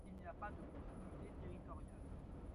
Il n’y a pas de continuité territoriale.